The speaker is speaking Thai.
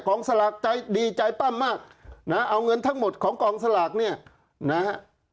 สลากใจดีใจปั้มมากนะเอาเงินทั้งหมดของกองสลากเนี่ยนะฮะ